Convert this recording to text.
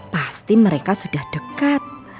pasti mereka sudah dekat